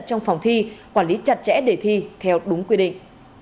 trong phòng thi quản lý chặt chẽ để thi theo đúng quy định